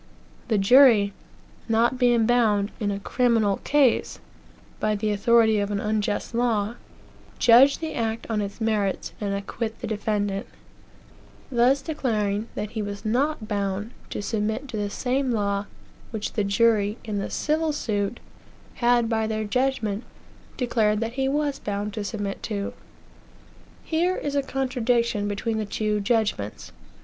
The jury, not being bound, in a criminal case, by the authority of an unjust law, judge the act on its merits, and acquit the defendant thus declaring that he was not bound to submit to the same law which the jury, in the civil suit, had, by their judgment, declared that he was bound to submit to. Here is a contradiction between the two judgments.